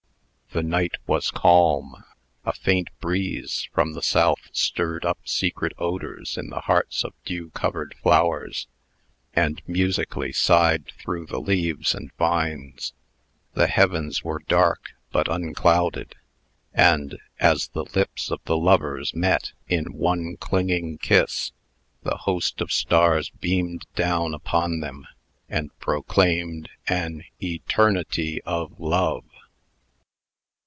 The night was calm. A faint breeze from the south stirred up secret odors in the hearts of dew covered flowers, and musically sighed through the leaves and vines. The heavens were dark, but unclouded; and, as the lips of the lovers met in one clinging kiss, the host of stars beamed down upon them, and proclaimed an ETERNITY OF LOVE.